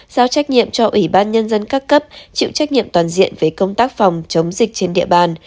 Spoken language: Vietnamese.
giao trách nhiệm cho ủy ban nhân dân các cấp chịu trách nhiệm toàn diện về công tác phòng chống dịch trên địa bàn